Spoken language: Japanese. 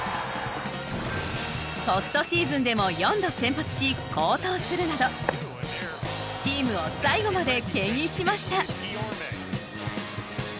ポストシーズンでも４度先発し好投するなどチームを最後まで牽引しました。